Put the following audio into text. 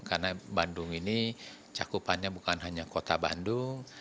karena bandung ini cakupannya bukan hanya kota bandung